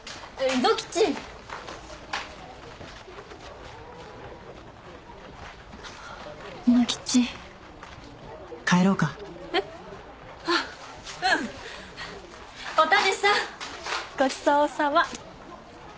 ごちそうさま